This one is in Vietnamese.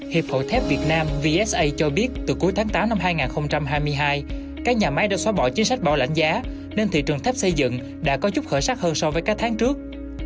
hiệp hội thép việt nam vsa cho biết từ cuối tháng tám năm hai nghìn hai mươi hai các nhà máy đã xóa bỏ chính sách bảo lãnh giá nên thị trường thép xây dựng đã có chút khởi sắc hơn so với các tháng trước